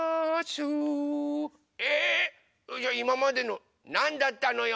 じゃあいままでのなんだったのよ！